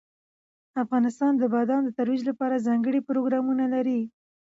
افغانستان د بادامو د ترویج لپاره ځانګړي پروګرامونه لري.